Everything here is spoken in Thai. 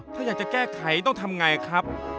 ถ้าอยากจะแก้ไขต้องทำไงครับ